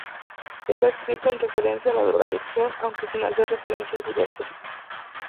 Está escrito en referencia a la drogadicción aunque sin hacer referencias directas.